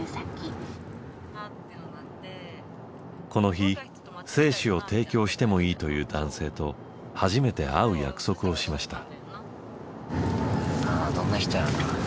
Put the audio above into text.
この日精子を提供してもいいという男性と初めて会う約束をしました。